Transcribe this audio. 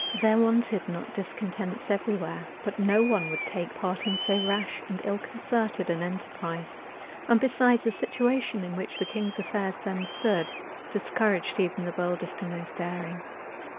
There wanted not discontents every where, but no one would take part in so rash and ill concerted an enterprise; and besides, the situation in which the king's affairs then stood discouraged even the boldest and most daring.